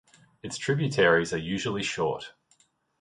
Its tributaries are usually short.